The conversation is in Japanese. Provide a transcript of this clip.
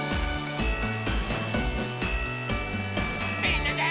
みんなで。